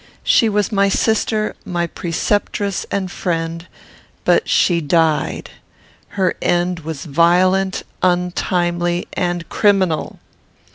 She was my sister, my preceptress and friend; but she died her end was violent, untimely, and criminal!